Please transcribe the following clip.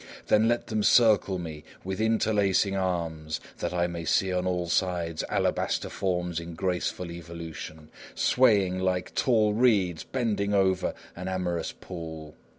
Then let them circle me, with interlacing arms, that I may see on all sides alabaster forms in graceful evolution, swaying like tall reeds bending over an amorous pool.